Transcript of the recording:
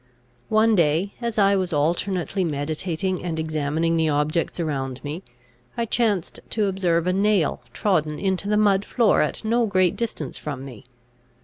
One day, as I was alternately meditating and examining the objects around me, I chanced to observe a nail trodden into the mud floor at no great distance from me.